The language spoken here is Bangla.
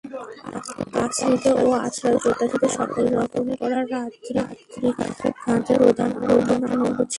আশ্রিত ও আশ্রয়প্রত্যাশীদিগকে সকল রকমে পীড়ন করাই রতিকান্তের প্রধান আনন্দ ছিল।